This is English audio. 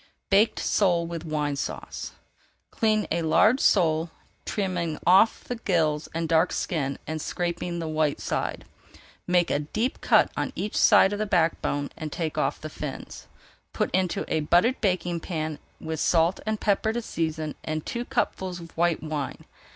BAKED SOLE WITH WINE SAUCE Clean a large sole, trimming off the gills and dark skin and scraping the white side. Make a deep cut on each side of the back bone and take off the fins. Put into a buttered baking pan with salt and pepper to season and two cupfuls of white wine.